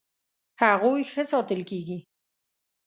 هغوی ښه ساتل کیږي.